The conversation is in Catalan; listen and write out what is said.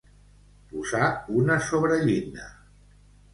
Posar una sobrellinda.